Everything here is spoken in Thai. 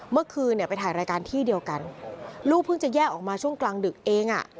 เมื่อคืนเนี่ยไปถ่ายรายการที่เดียวกันลูกเพิ่งจะแยกออกมาช่วงกลางดึกเองอ่ะ